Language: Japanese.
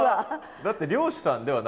だって漁師さんではないもんね？